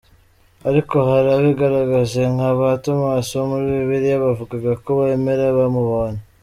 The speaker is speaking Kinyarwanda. Ariko hari abigaragaje nka ba ‘Thomas’ wo muri Bibiliya bavugaga ko bemera bamubonye.